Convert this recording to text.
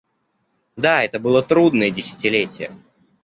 Да, это было трудное десятилетие.